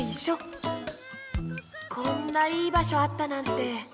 こんないいばしょあったなんて。